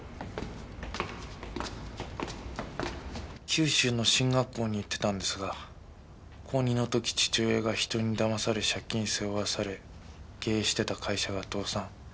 九州の進学校に行ってたんですが高２の時父親が人に騙され借金背負わされ経営してた会社が倒産。